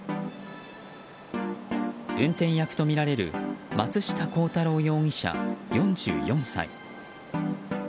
運転役とみられる松下幸太郎容疑者、４４歳。